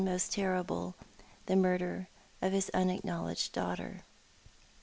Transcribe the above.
183 most terrible the murder of liis unacknowledged daughter.